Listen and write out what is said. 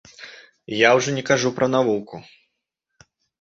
Я ўжо не кажу пра навуку.